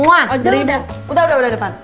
udah udah udah udah udah depan